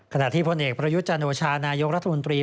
ขณะที่พลเอกพระยุจจานโอชานายกรรธมุนตรี